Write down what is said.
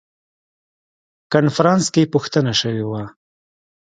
کنفرانس کې پوښتنه شوې وه.